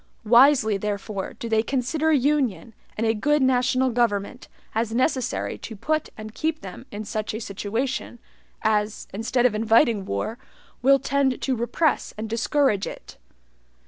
Wisely, therefore, do they consider union and a good national government as necessary to put and keep them in SUCH A SITUATION as, instead of INVITING war, will tend to repress and discourage it.